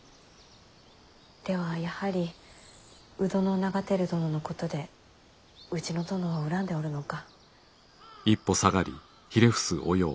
ではやはり鵜殿長照殿のことでうちの殿を恨んでおるのか？